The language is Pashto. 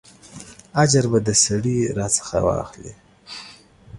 اجر به د سړي راڅخه اخلې.